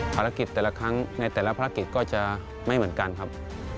ภารกิจแต่ละครั้งในแต่ละภารกิจก็จะไม่เหมือนกันครับ